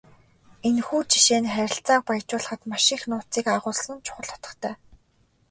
Энэхүү жишээ нь харилцааг баяжуулахад маш их нууцыг агуулсан чухал утгатай.